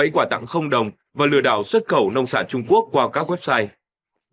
bảy quả tặng không đồng và lừa đảo xuất khẩu nông sản trung quốc qua các website